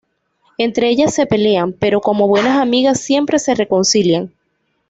Entre ellas se pelean, pero como buenas amigas, siempre se reconcilian.